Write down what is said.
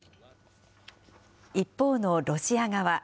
一方のロシア側。